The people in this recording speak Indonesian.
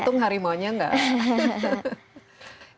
untung harimaunya enggak